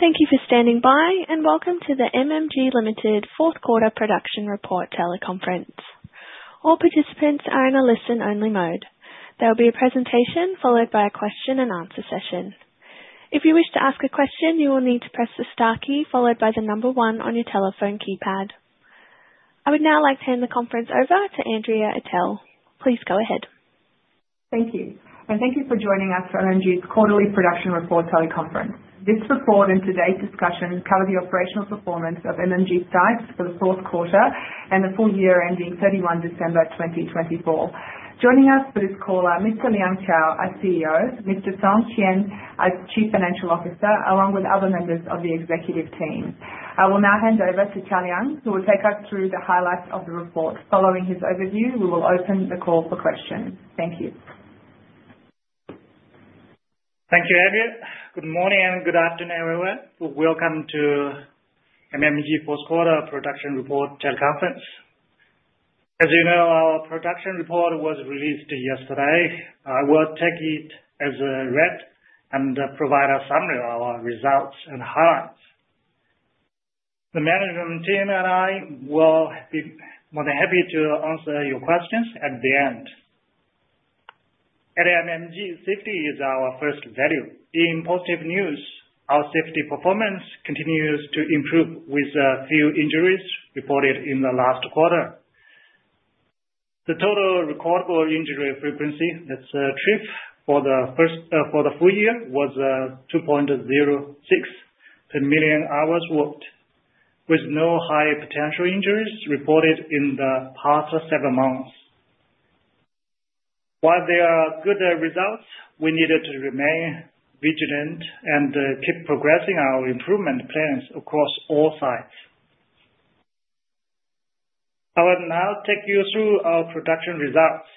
Thank you for standing by, and welcome to the MMG Limited fourth quarter production report teleconference. All participants are in a listen-only mode. There will be a presentation followed by a question-and-answer session. If you wish to ask a question, you will need to press the star key followed by the number one on your telephone keypad. I would now like to hand the conference over to Andrea Atell. Please go ahead. Thank you, and thank you for joining us for MMG's Quarterly Production Report Teleconference. This report and today's discussion cover the operational performance of MMG's sites for the fourth quarter and the full year ending 31 December 2024. Joining us for this call are Mr. Liang Cao as CEO, Mr. Song Qian as Chief Financial Officer, along with other members of the executive team. I will now hand over to Liang Cao, who will take us through the highlights of the report. Following his overview, we will open the call for questions. Thank you. Thank you, Andrea. Good morning and good afternoon, everyone. Welcome to MMG Fourth Quarter Production Report Teleconference. As you know, our production report was released yesterday. I will take it as read and provide a summary of our results and highlights. The management team and I will be more than happy to answer your questions at the end. At MMG, safety is our first value. In positive news, our safety performance continues to improve with a few injuries reported in the last quarter. The total recordable injury frequency that's achieved for the full year was 2.06 per million hours worked, with no high potential injuries reported in the past seven months. While they are good results, we needed to remain vigilant and keep progressing our improvement plans across all sites. I will now take you through our production results.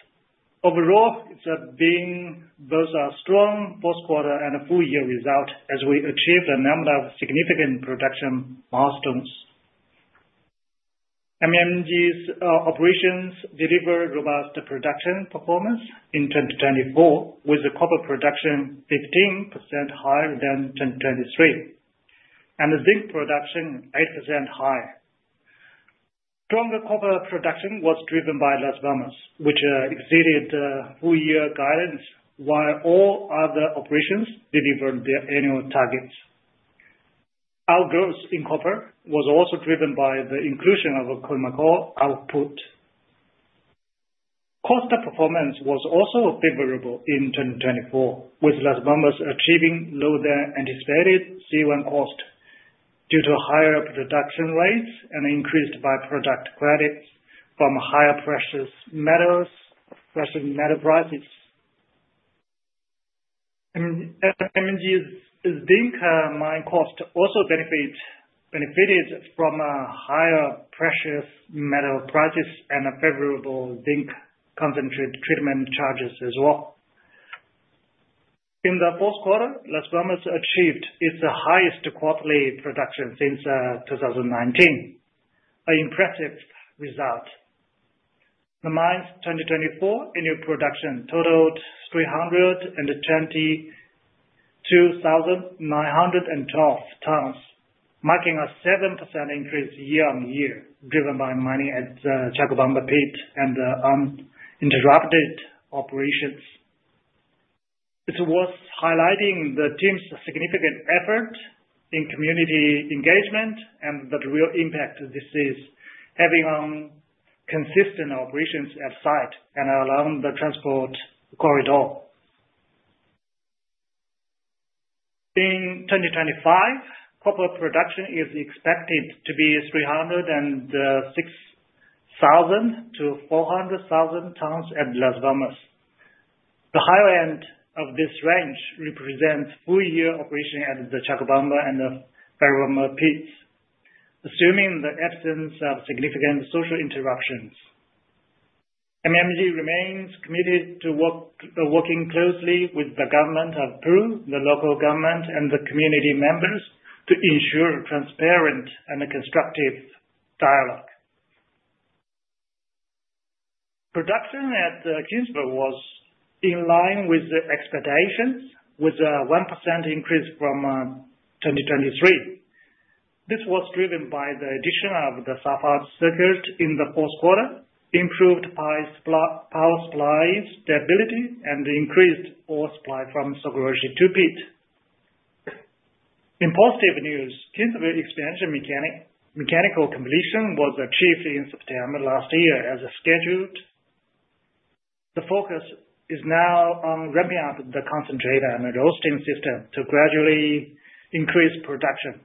Overall, it's been both a strong fourth quarter and a full year result as we achieved a number of significant production milestones. MMG's operations delivered robust production performance in 2024, with the copper production 15% higher than 2023 and the zinc production 8% higher. Stronger copper production was driven by Las Bambas, which exceeded the full year guidance, while all other operations delivered their annual targets. Our growth in copper was also driven by the inclusion of a Khoemacau output. Cost performance was also favorable in 2024, with Las Bambas achieving lower than anticipated C1 cost due to higher production rates and increased by-product credits from higher precious metal prices. MMG's zinc mine cost also benefited from higher precious metal prices and favorable zinc concentrate treatment charges as well. In the fourth quarter, Las Bambas achieved its highest quarterly production since 2019, an impressive result. The mine's 2024 annual production totaled 322,912 tons, marking a 7% increase year on year, driven by mining at Chalcobamba Pit and uninterrupted operations. It's worth highlighting the team's significant effort in community engagement and the real impact this is having on consistent operations at site and along the transport corridor. In 2025, copper production is expected to be 306,000-400,000 tons at Las Bambas. The higher end of this range represents full year operation at the Chalcobamba and the Ferrobamba Pits, assuming the absence of significant social interruptions. MMG remains committed to working closely with the government of Peru, the local government, and the community members to ensure transparent and constructive dialogue. Production at Kinsevere was in line with expectations, with a 1% increase from 2023. This was driven by the addition of the sulfide circuit in the fourth quarter, improved power supply stability, and increased ore supply Sokoroshe II Pit. in positive news, Kinsevere expansion mechanical completion was achieved in September last year as scheduled. The focus is now on ramping up the concentrator and roasting system to gradually increase production.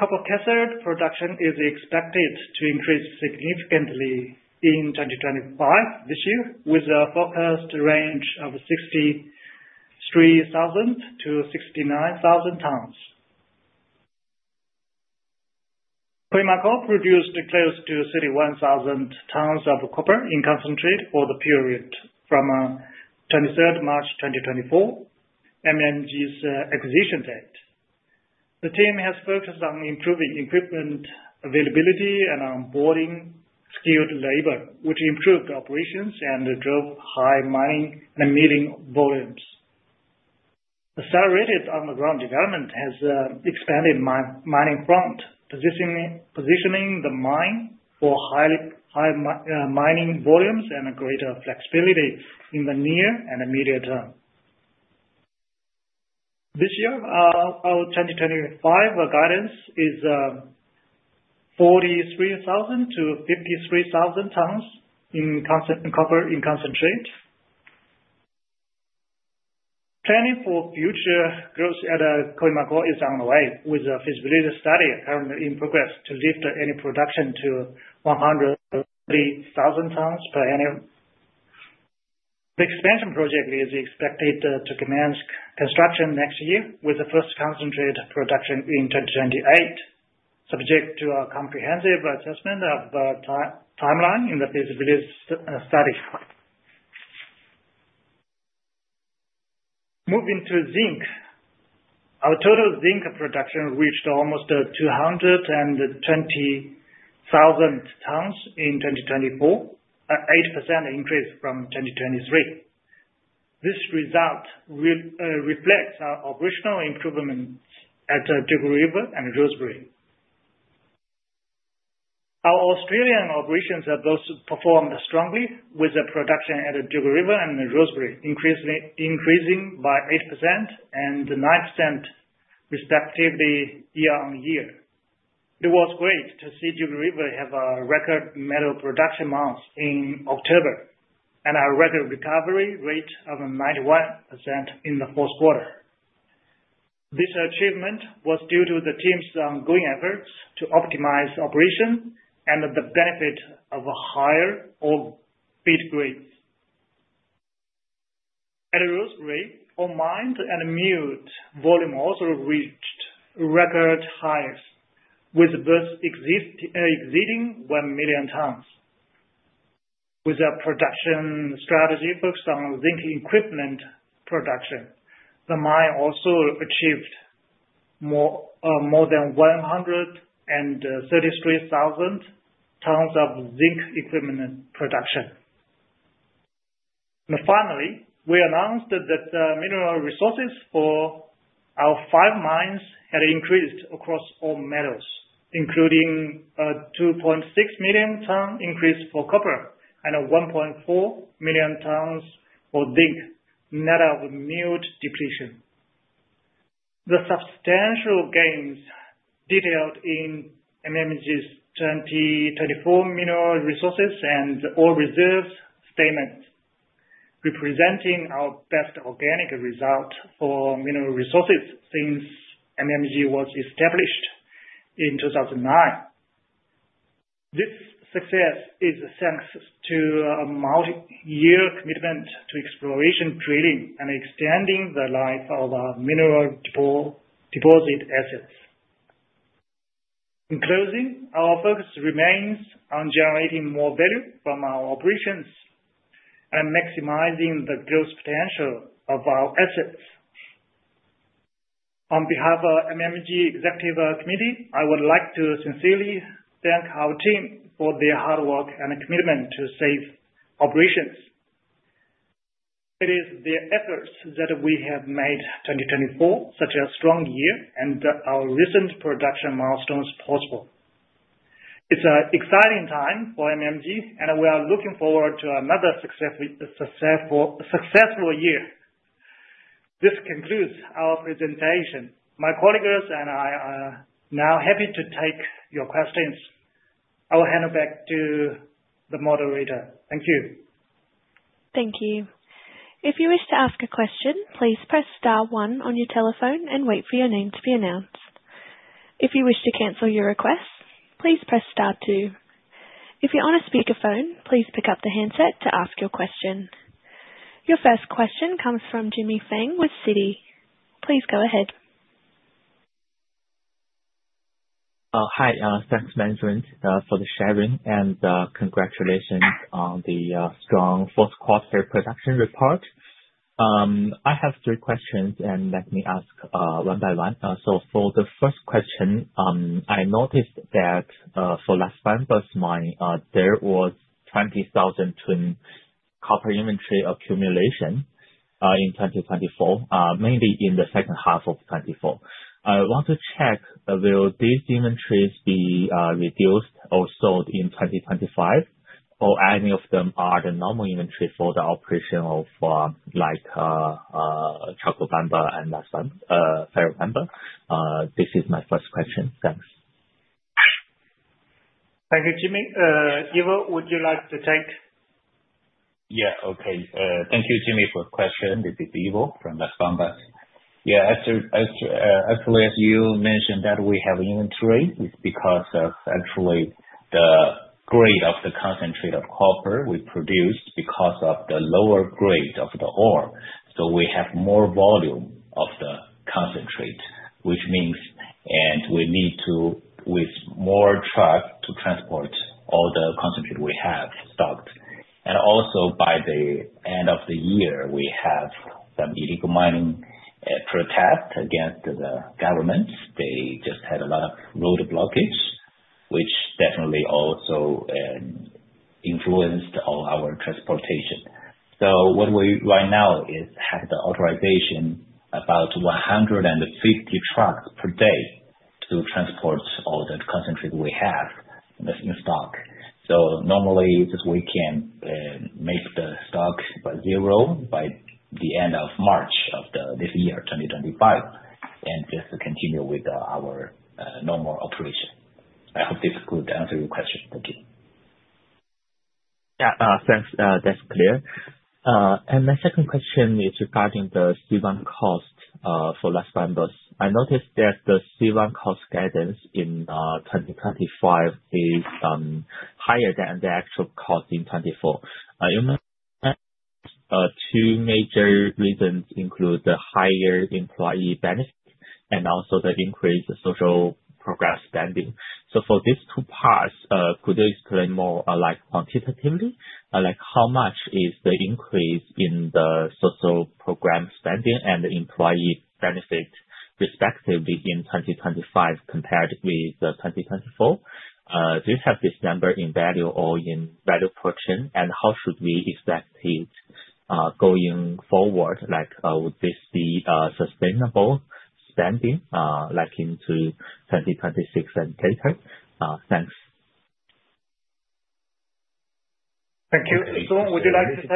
Copper cathode production is expected to increase significantly in 2025 this year, with a forecast range of 63,000-69,000 tons. Khoemacau produced close to 31,000 tons of copper in concentrate for the period from 23 March 2024, MMG's acquisition date. The team has focused on improving equipment availability and onboarding skilled labor, which improved operations and drove high mining and milling volumes. Accelerated on-the-ground development has expanded mining front, positioning the mine for high mining volumes and greater flexibility in the near and immediate term. This year, our 2025 guidance is 43,000-53,000 tons in copper in concentrate. Planning for future growth at Khoemacau is underway, with a feasibility study currently in progress to lift annual production to 130,000 tons per annum. The expansion project is expected to commence construction next year, with the first concentrate production in 2028, subject to a comprehensive assessment of timeline in the feasibility study. Moving to zinc, our total zinc production reached almost 220,000 tons in 2024, an 8% increase from 2023. This result reflects our operational improvements at Dugald River and Rosebery. Our Australian operations have both performed strongly, with production at Dugald River and Rosebery increasing by 8% and 9% respectively year on year. It was great to see Dugald River have a record metal production month in October and a record recovery rate of 91% in the fourth quarter. This achievement was due to the team's ongoing efforts to optimize operation and the benefit of a higher ore feed grade. At Rosebery, all mined and milled volume also reached record highs, with both exceeding one million tons. With a production strategy focused on zinc equivalent production, the mine also achieved more than 133,000 tons of zinc equivalent production. Finally, we announced that the mineral resources for our five mines had increased across all metals, including a 2.6 million ton increase for copper and a 1.4 million tons for zinc net of milled depletion. The substantial gains detailed in MMG's 2024 Mineral Resources and Ore Reserves Statements, representing our best organic result for mineral resources since MMG was established in 2009. This success is thanks to a multi-year commitment to exploration, drilling, and extending the life of our mineral deposit assets. In closing, our focus remains on generating more value from our operations and maximizing the growth potential of our assets. On behalf of MMG Executive Committee, I would like to sincerely thank our team for their hard work and commitment to safe operations. It is their efforts that we have made 2024 such a strong year and our recent production milestones possible. It's an exciting time for MMG, and we are looking forward to another successful year. This concludes our presentation. My colleagues and I are now happy to take your questions. I will hand it back to the moderator. Thank you. Thank you. If you wish to ask a question, please press star one on your telephone and wait for your name to be announced. If you wish to cancel your request, please press star two. If you're on a speakerphone, please pick up the handset to ask your question. Your first question comes from Jimmy Feng with Citi. Please go ahead. Hi, thanks, management, for the sharing and congratulations on the strong fourth quarter production report. I have three questions, and let me ask one by one. For the first question, I noticed that for Las Bambas mine, there was 20,000 tonnes copper inventory accumulation in 2024, mainly in the second half of 2024. I want to check, will these inventories be reduced or sold in 2025, or any of them are the normal inventory for the operation of Chalcobamba and Ferrobamba? This is my first question. Thanks. Thank you, Jimmy. Ivo, would you like to take? Yeah, okay. Thank you, Jimmy, for the question. This is Ivo from Las Bambas. Yeah, actually, as you mentioned that we have inventory, it's because of actually the grade of the concentrate of copper we produced because of the lower grade of the ore. So we have more volume of the concentrate, which means. And we need to, with more trucks to transport all the concentrate we have stocked. And also, by the end of the year, we have some illegal mining protest against the government. They just had a lot of road blockage, which definitely also influenced all our transportation. So what we right now is have the authorization about 150 trucks per day to transport all the concentrate we have in stock. So normally, this weekend, make the stock by zero by the end of March of this year, 2025, and just continue with our normal operation. I hope this could answer your question. Thank you. Yeah, thanks. That's clear. And my second question is regarding the C1 cost for Las Bambas. I noticed that the C1 cost guidance in 2025 is higher than the actual cost in 2024. Two major reasons include the higher employee benefit and also the increased social program spending. So for these two parts, could you explain more quantitatively, how much is the increase in the social program spending and employee benefit, respectively, in 2025 compared with 2024? Do you have this number in value or in value portion, and how should we expect it going forward? Would this be sustainable spending into 2026 and later? Thanks. Thank you. Song, would you like to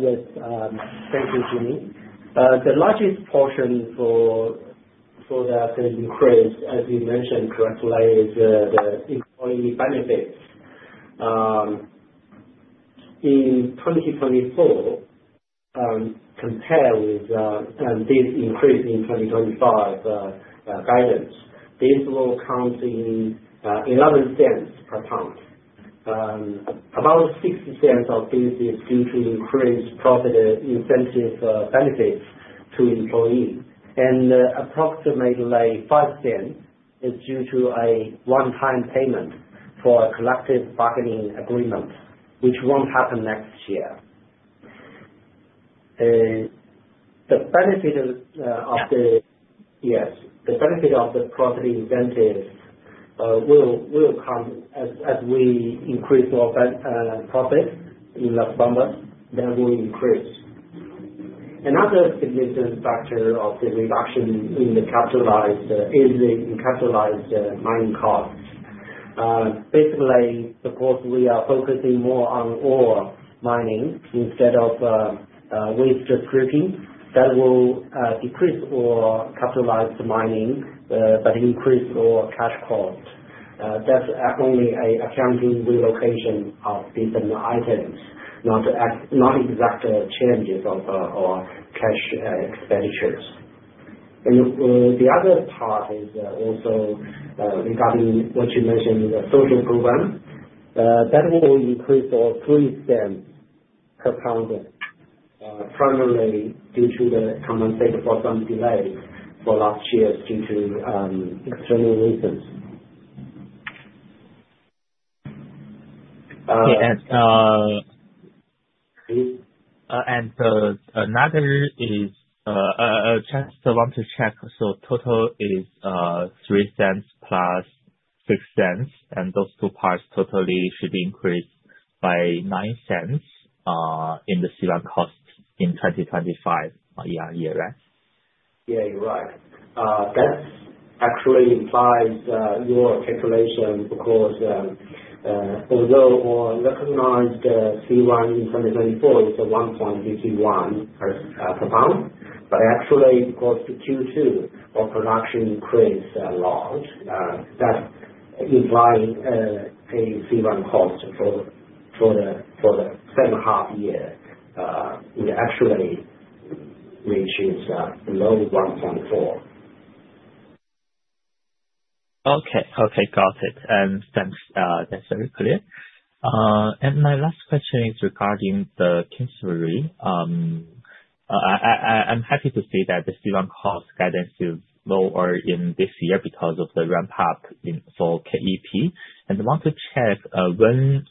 take? Yes. Thank you, Jimmy. The largest portion for that increase, as you mentioned correctly, is the employee benefits. In 2024, compared with this increase in 2025 guidance, this will come to $0.11 per pound. About $0.60 of this is due to increased profit incentive benefits to employees, and approximately $0.05 is due to a one-time payment for a collective bargaining agreement, which won't happen next year. The benefit of the profit incentives will come as we increase our profit in Las Bambas, then we'll increase. Another significant factor of the reduction in the capitalized is the capitalized mining cost. Basically, because we are focusing more on ore mining instead of waste stripping, that will decrease our capitalized mining, but increase our cash cost. That's only an accounting allocation of different items, not exact changes of our cash expenditures. The other part is also regarding what you mentioned, the social program. That will increase our $0.03 per pound, primarily due to the compensation for some delay for last year due to external reasons. Yeah. And another is, just want to check, so total is $0.03 +$0.06, and those two parts totally should increase by $0.09 in the C1 cost in 2025 year-on-year, right? Yeah, you're right. That actually implies your calculation because although recognized C1 in 2024 is $1.51 per pound, but actually, because Q2, our production increased a lot. That implies a C1 cost for the second half year actually reaches below $1.4. Okay. Okay, got it. Thanks. That's very clear. And my last question is regarding the Kinsevere. I'm happy to see that the C1 cost guidance is lower in this year because of the ramp-up for KEP. And I want to check, when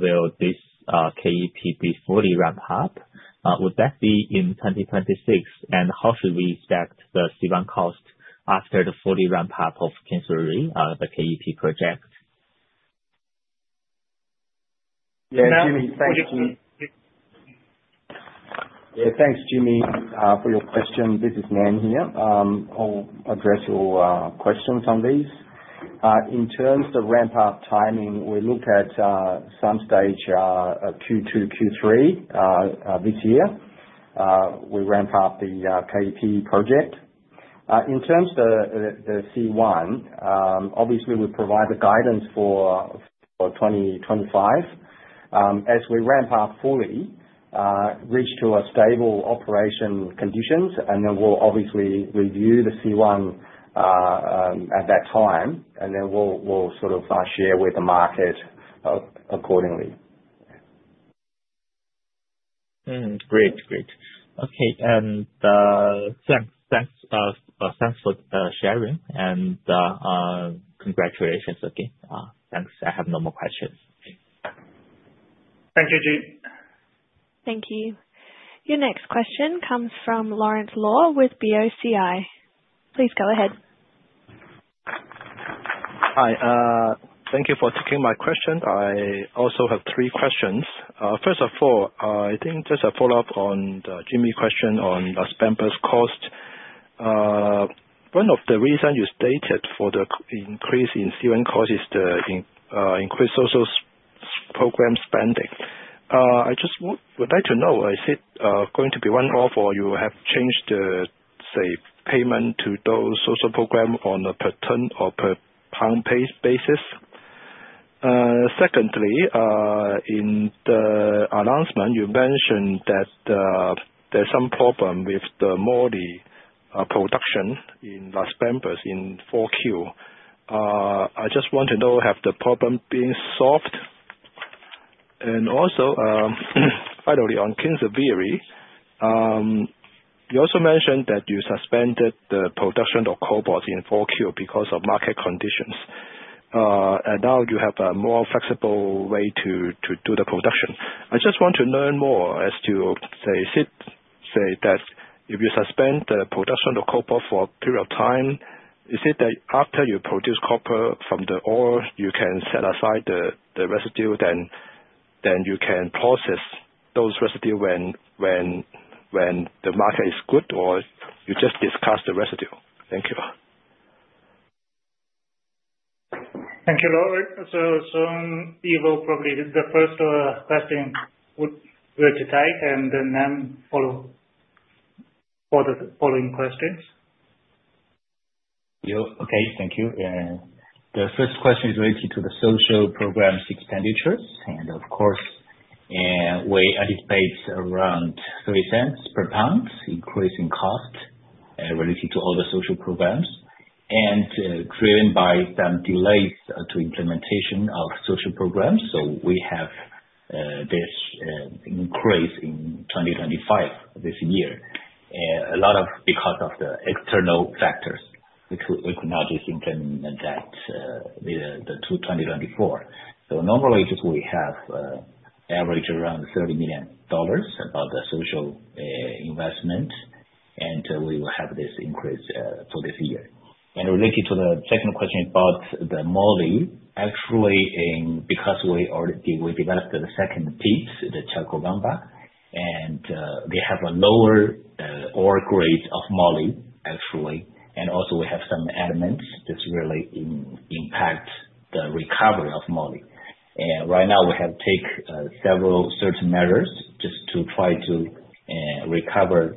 will this KEP be fully ramp-up? Would that be in 2026? And how should we expect the C1 cost after the fully ramp-up of Kinsevere, the KEP project? Yeah, Jimmy, thanks. Yeah, thanks, Jimmy, for your question. This is Nan here. I'll address your questions on these. In terms of ramp-up timing, we look at some stage Q2, Q3 this year. We ramp up the KEP project. In terms of the C1, obviously, we provide the guidance for 2025. As we ramp up fully, reach to a stable operational conditions, and then we'll obviously review the C1 at that time, and then we'll sort of share with the market accordingly. Great. Great. Okay. And thanks for sharing and congratulations again. Thanks. I have no more questions. Thank you, Jimmy. Thank you. Your next question comes from Lawrence Lau with BOCI. Please go ahead. Hi. Thank you for taking my question. I also have three questions. First of all, I think just a follow-up on Jimmy's question on Las Bambas cost. One of the reasons you stated for the increase in C1 cost is the increased social program spending. I just would like to know, is it going to be one-off or you have changed the, say, payment to those social program on a per ton or per pound basis? Secondly, in the announcement, you mentioned that there's some problem with the moly production in Las Bambas in 4Q. I just want to know, have the problem been solved? And also, finally, on Kinsevere, you also mentioned that you suspended the production of cobalt in 4Q because of market conditions. And now you have a more flexible way to do the production. I just want to learn more as to, say, is it, say, that if you suspend the production of cobalt for a period of time, is it that after you produce copper from the ore, you can set aside the residue, then you can process those residue when the market is good, or you just discard the residue? Thank you. Thank you, Lawrence. So, Ivo, probably the first question we're to take, and then Nan follow the following questions. Yeah. Okay. Thank you. The first question is related to the social program expenditures. And of course, we anticipate around $0.03 per pound increase in cost related to all the social programs, and driven by some delays to implementation of social programs. So we have this increase in 2025 this year. A lot of because of the external factors, we could not just implement that to 2024. So normally, we have average around $30 million about the social investment, and we will have this increase for this year. And related to the second question about the moly, actually, because we developed the second piece, the Chalcobamba, and they have a lower ore grade of moly, actually. And also, we have some elements that really impact the recovery of moly. Right now, we have taken several certain measures just to try to recover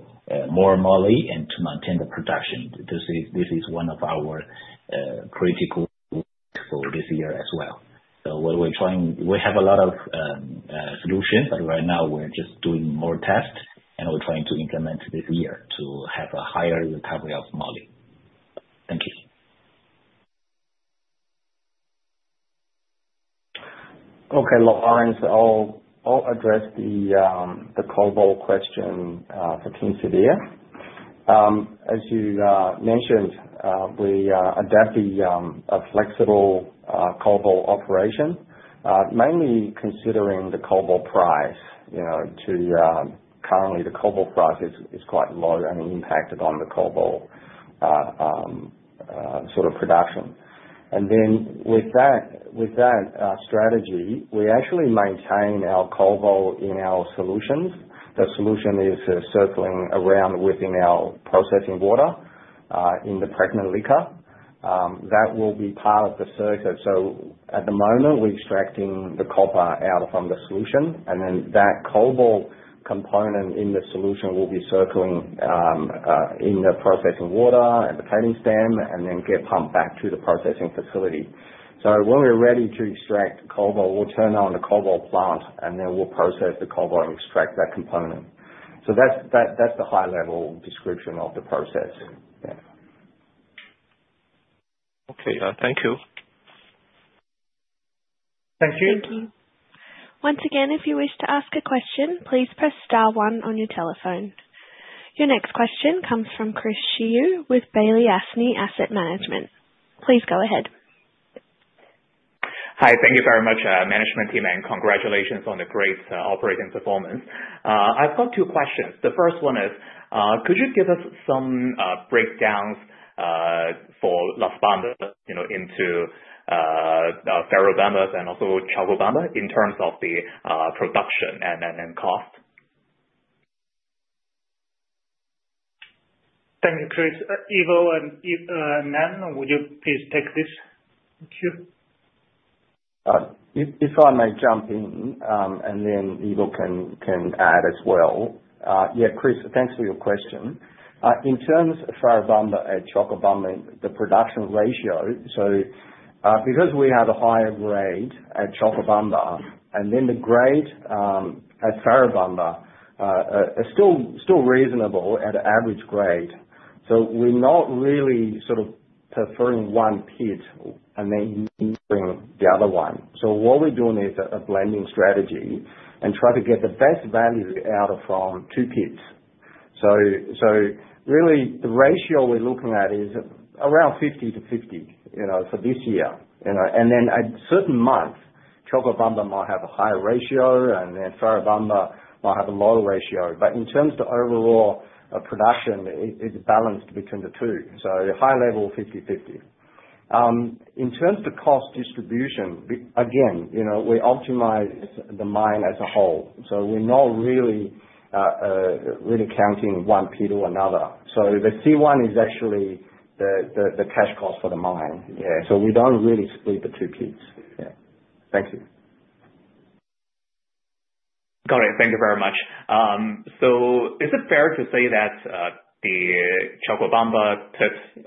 more moly and to maintain the production. This is one of our critical goals for this year as well. We have a lot of solutions, but right now, we're just doing more tests, and we're trying to implement this year to have a higher recovery of moly. Thank you. Okay, Lawrence, I'll address the cobalt question for Kinsevere. As you mentioned, we adopt a flexible cobalt operation, mainly considering the cobalt price. Currently, the cobalt price is quite low and impacted on the cobalt sort of production. And then with that strategy, we actually maintain our cobalt in our solutions. The solution is circling around within our processing water in the pregnant liquor. That will be part of the circuit. So at the moment, we're extracting the copper out from the solution, and then that cobalt component in the solution will be circling in the processing water and the recycling system, and then get pumped back to the processing facility. So when we're ready to extract cobalt, we'll turn on the cobalt plant, and then we'll process the cobalt and extract that component. So that's the high-level description of the process. Yeah. Okay. Thank you. Thank you. Thank you. Once again, if you wish to ask a question, please press star one on your telephone. Your next question comes from Chris Shiu with Balyasny Asset Management. Please go ahead. Hi. Thank you very much, management team, and congratulations on the great operating performance. I've got two questions. The first one is, could you give us some breakdowns for Las Bambas into Ferrobamba and also Chalcobamba in terms of the production and cost? Thank you, Chris. Ivo and Nan, would you please take this? Thank you. If I may jump in, and then Ivo can add as well. Yeah, Chris, thanks for your question. In terms of Ferrobamba and Chalcobamba, the production ratio, so because we have a higher grade at Chalcobamba, and then the grade at Ferrobamba is still reasonable at an average grade. So we're not really sort of preferring one pit and then using the other one. So what we're doing is a blending strategy and try to get the best value out of two pits. So really, the ratio we're looking at is around 50/50 for this year. And then at certain months, Chalcobamba might have a higher ratio, and then Ferrobamba might have a lower ratio. But in terms of overall production, it's balanced between the two. So high level, 50/50. In terms of cost distribution, again, we optimize the mine as a whole. So we're not really counting one pit or another. So the C1 is actually the cash cost for the mine. Yeah. So we don't really split the two pits. Yeah. Thank you. Got it. Thank you very much. So is it fair to say that the Chalcobamba pit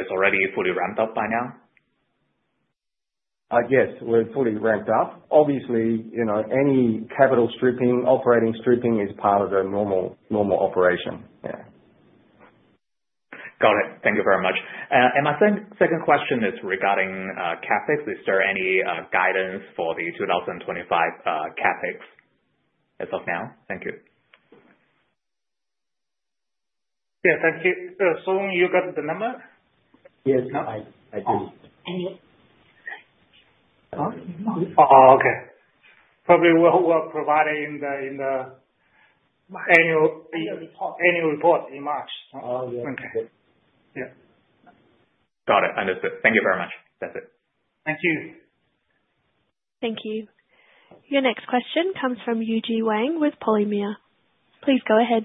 is already fully ramped up by now? Yes, we're fully ramped up. Obviously, any capital stripping, operating stripping is part of the normal operation. Yeah. Got it. Thank you very much. And my second question is regarding CapEx. Is there any guidance for the 2025 CapEx as of now? Thank you. Yeah. Thank you. Song, you got the number? Yes. I do. Oh, okay. Probably we'll provide it in the annual report in March. Oh, yeah. Okay. Yeah. Got it. Understood. Thank you very much. That's it. Thank you. Thank you. Your next question comes from Yujie Wang with Polymer Capital. Please go ahead.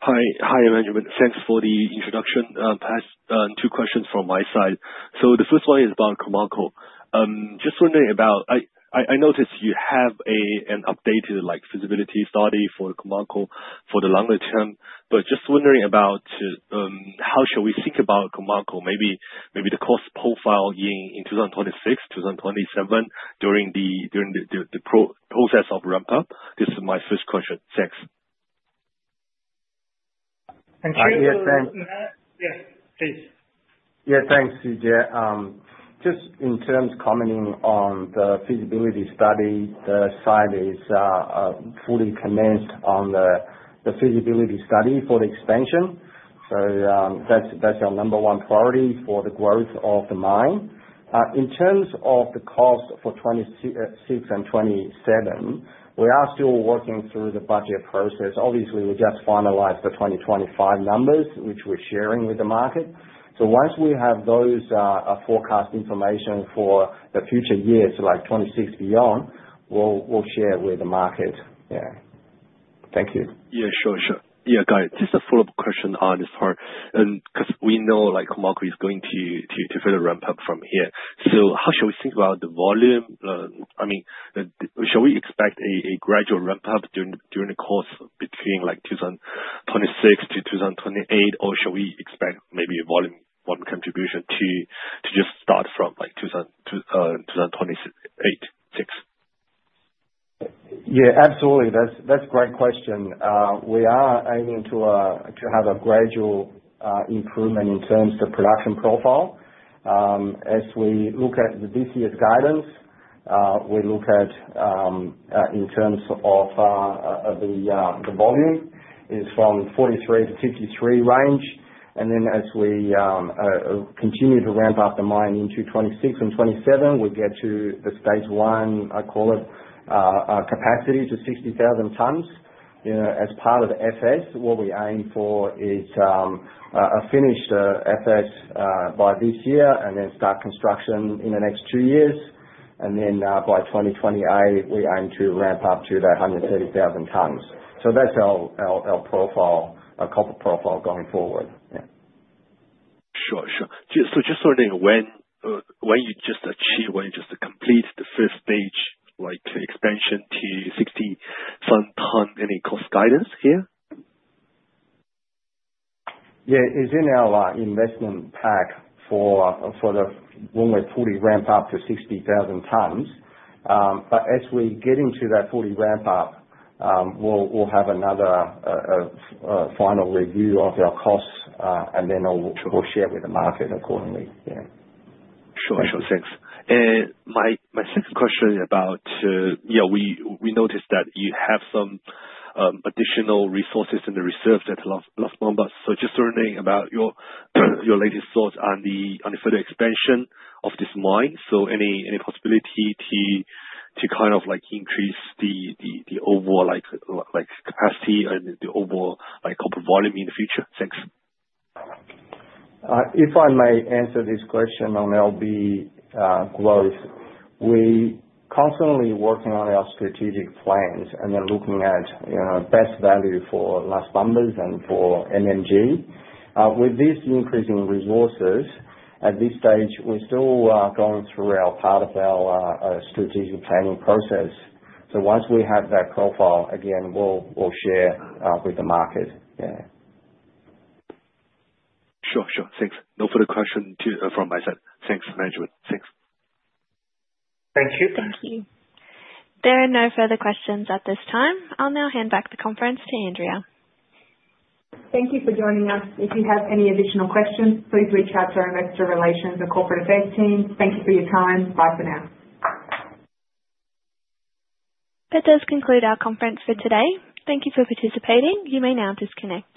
Hi, Emmanuela. Thanks for the introduction. Two questions from my side. So the first one is about Khoemacau. Just wondering about I noticed you have an updated feasibility study for Khoemacau for the longer term, but just wondering about how should we think about Khoemacau, maybe the cost profile in 2026, 2027 during the process of ramp-up? This is my first question. Thanks. Thank you. Yes, thanks. Yes, please. Yeah, thanks, Yujie. Just in terms commenting on the feasibility study, the site is fully commenced on the feasibility study for the expansion. So that's our number one priority for the growth of the mine. In terms of the cost for 2026 and 2027, we are still working through the budget process. Obviously, we just finalized the 2025 numbers, which we're sharing with the market. So once we have those forecast information for the future years, like 2026 beyond, we'll share with the market. Yeah. Thank you. Yeah, sure, sure. Yeah, got it. Just a follow-up question on this part. Because we know Khoemacau is going to further ramp up from here. So how should we think about the volume? I mean, should we expect a gradual ramp-up during the course between 2026 to 2028, or should we expect maybe a volume contribution to just start from 2026? Yeah, absolutely. That's a great question. We are aiming to have a gradual improvement in terms of production profile. As we look at this year's guidance, we look at in terms of the volume, it's from 43 to 53 range. And then as we continue to ramp up the mine into 2026 and 2027, we get to the stage one, I call it, capacity to 60,000 tons. As part of the FS, what we aim for is a finished FS by this year and then start construction in the next two years. And then by 2028, we aim to ramp up to the 130,000 tons. So that's our copper profile going forward. Yeah. Sure. So just wondering when you just complete the first stage expansion to 60,000 tons. Any cost guidance here? Yeah. It's in our investment pack for when we fully ramp up to 60,000 tons. But as we get into that fully ramp-up, we'll have another final review of our costs, and then we'll share with the market accordingly. Yeah. Sure, sure. Thanks. And my second question is about, yeah, we noticed that you have some additional resources in the reserve at Las Bambas. So just wondering about your latest thoughts on the further expansion of this mine. So any possibility to kind of increase the overall capacity and the overall copper volume in the future? Thanks. If I may answer this question on LB growth, we're constantly working on our strategic plans and then looking at best value for Las Bambas and for MMG. With this increase in resources, at this stage, we're still going through part of our strategic planning process. So once we have that profile, again, we'll share with the market. Yeah. Sure, sure. Thanks. No further question from my side. Thanks, Management. Thanks. Thank you. Thank you. There are no further questions at this time. I'll now hand back the conference to Andrea. Thank you for joining us. If you have any additional questions, please reach out to our investor relations or corporate affairs team. Thank you for your time. Bye for now. That does conclude our conference for today. Thank you for participating. You may now disconnect.